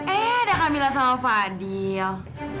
eh ada kamilah sama fadil